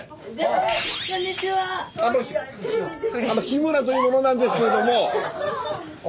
日村というものなんですけれども。